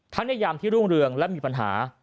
ในยามที่รุ่งเรืองและมีปัญหา